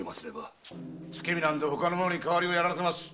付け火は他の者に代わりをやらせます。